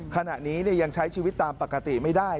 ขณะนี้ยังใช้ชีวิตตามปกติไม่ได้